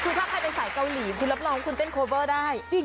คือถ้าใครเป็นสายเกาหลีคุณรับรองว่าคุณเต้นโคเวอร์ได้